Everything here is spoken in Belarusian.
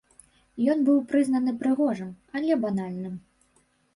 Ён быў прызнаны прыгожым, але банальным.